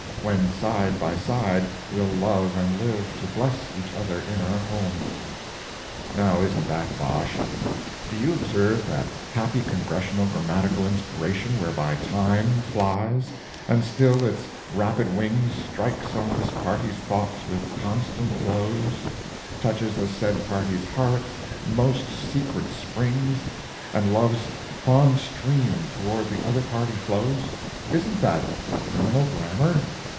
When side by side we'll love and live To bless each other in our home. Now, isn't that bosh? Do you observe that happy Congressional grammatical inspiration whereby Time flies, and still its rapid wings strikes on this party's thoughts with constant blows, touches the said party's heart's most secret springs, and love's fond stream toward the other party flows? Isn't that criminal grammar?